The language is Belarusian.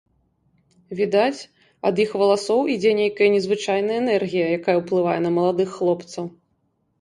Відаць, ад іх валасоў ідзе нейкая незвычайная энергія, якая ўплывае на маладых хлопцаў.